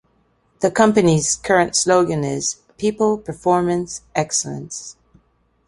The company's current slogan is, People, performance, excellence.